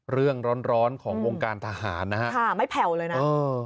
เรื่องร้อนร้อนของวงการทหารนะฮะค่ะไม่แผ่วเลยนะเออ